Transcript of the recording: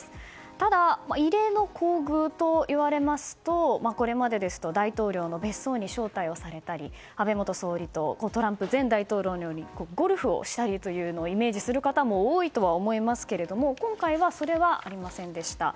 ただ、異例の厚遇といわれますとこれまでですと大統領の別荘に招待されたり安倍元総理とトランプ前大統領のようにゴルフをしたりというのをイメージする方も多いかと思いますが今回はそれはありませんでした。